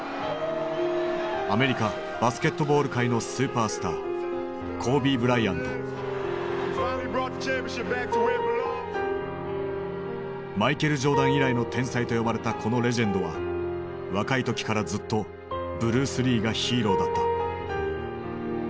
アメリカバスケットボール界のスーパースターマイケル・ジョーダン以来の天才と呼ばれたこのレジェンドは若い時からずっとブルース・リーがヒーローだった。